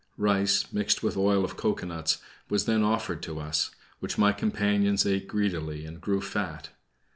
Rice, mixed with oil of cocoanuts, was then offered to us, which my companions ate greedily and grew fat.